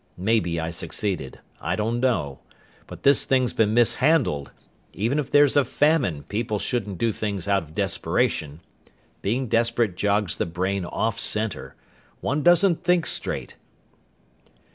Maybe I succeeded. I don't know. But this thing's been mishandled! Even if there's a famine people shouldn't do things out of desperation! Being desperate jogs the brain off center. One doesn't think straight!"